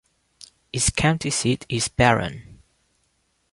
Its county seat is Barron.